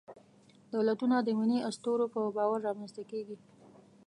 دولتونه د ملي اسطورو په باور رامنځ ته کېږي.